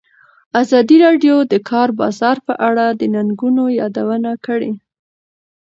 ازادي راډیو د د کار بازار په اړه د ننګونو یادونه کړې.